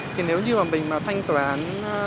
thì nếu như mình mà thanh toán